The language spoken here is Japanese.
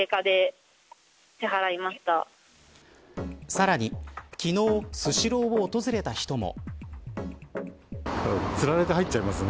さらに昨日スシロー訪れた人も。